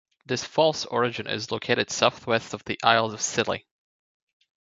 This false origin is located south-west of the Isles of Scilly.